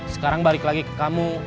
sekarang balik lagi ke kamu